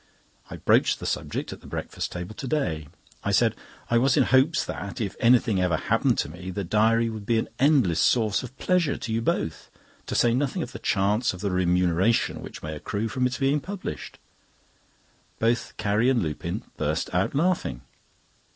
I broached the subject at the breakfast table to day. I said: "I was in hopes that, if anything ever happened to me, the diary would be an endless source of pleasure to you both; to say nothing of the chance of the remuneration which may accrue from its being published." Both Carrie and Lupin burst out laughing.